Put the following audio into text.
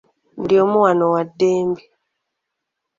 Buli omu wano wa ddembe.